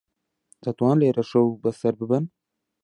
دەتوانن لێرە شەو بەسەر ببەن.